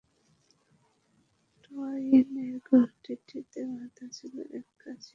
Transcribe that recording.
টোয়াইনের গুটিটিতে বাঁধা ছিল একগাছি শক্ত মোটা দড়ি।